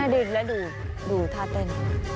ดูแล้วดูดูท่าเต้น